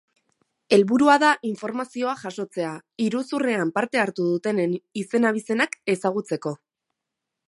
Helburua da informazioa jasotzea, iruzurrean parte hartu dutenen izen-abizenak ezagutzeko.